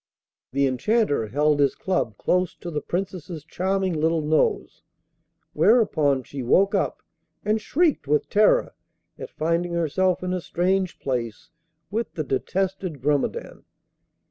The Enchanter held his club close to the Princess's charming little nose, whereupon she woke up and shrieked with terror at finding herself in a strange place with the detested Grumedan.